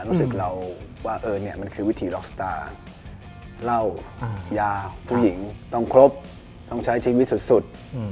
รู้สึกว่ามันคือวิถีเล่ายาผู้หญิงต้องครบต้องใช้ชีวิตสุด